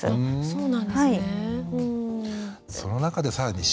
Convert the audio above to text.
そうなんです。